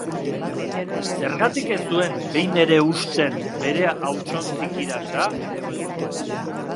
Zergatik ez zuen behin ere husten bere hautsontzi kiratsa?